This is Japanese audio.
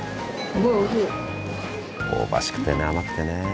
香ばしくてね甘くてね。